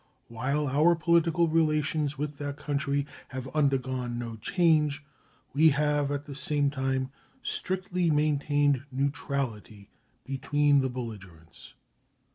While our political relations with that country have undergone no change, we have at the same time strictly maintained neutrality between the belligerents.